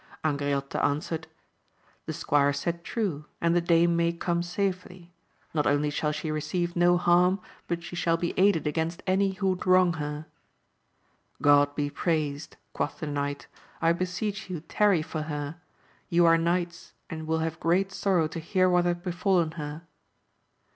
Angriote answered, The squire said true and the dame may come safely ; not only shall she receive no harm, but she shall be aided against any who would wrong her. God be praised ! quoth the knight. I beseech you tarry for her ; you are knights and will have great sorrow to hear what hath befallen her.